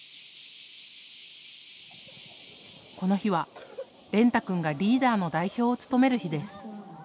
この日は、蓮汰君がリーダーの代表を務める日です。